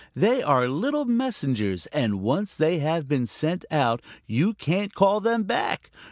They are little messengers, and once they have been sent out, you can't call them back.